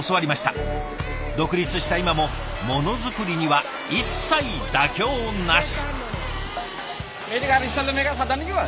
独立した今もものづくりには一切妥協なし。